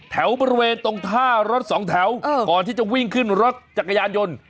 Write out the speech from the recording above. แถวบริเวณตรงท่ารถสองแถวก่อนที่จะวิ่งขึ้นรถจักรยานยนต์